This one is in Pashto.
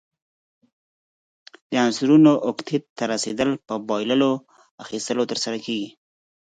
د عنصرونو اوکتیت ته رسیدل په بایللو، اخیستلو ترسره کیږي.